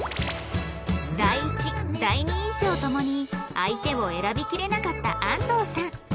第一第二印象ともに相手を選びきれなかった安藤さん